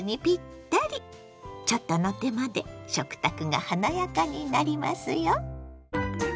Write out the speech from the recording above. ちょっとの手間で食卓が華やかになりますよ。